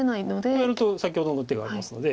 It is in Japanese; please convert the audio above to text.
こうやると先ほどの手がありますので。